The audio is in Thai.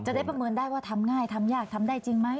ได้ประเมินได้ว่าทำง่ายทำยากทำได้จริงไหม